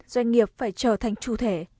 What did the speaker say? doanh nghiệp phải trở thành tru thể